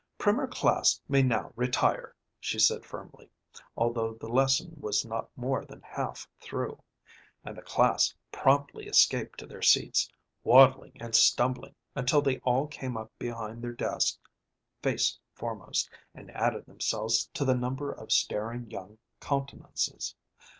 "Primer class may now retire!" she said firmly, although the lesson was not more than half through; and the class promptly escaped to their seats, waddling and stumbling, until they all came up behind their desks, face foremost, and added themselves to the number of staring young countenances.